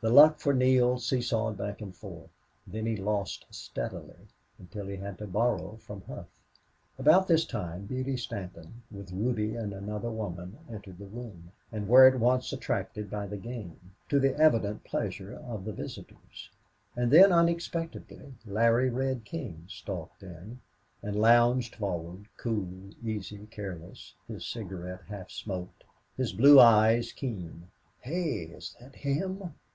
The luck for Neale seesawed back and forth. Then he lost steadily until he had to borrow from Hough. About this time Beauty Stanton, with Ruby and another woman, entered the room, and were at once attracted by the game, to the evident pleasure of the visitors. And then, unexpectedly, Larry Red King stalked in and lounged forward, cool, easy, careless, his cigarette half smoked, his blue eyes keen. "Hey! is that him?"